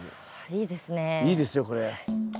いいですよこれ。